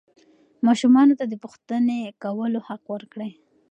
ماشومانو ته د پوښتنې کولو حق ورکړئ.